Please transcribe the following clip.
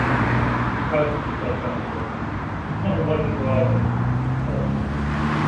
Christ is God’s answer. He’s not a logical argument, he’s a person.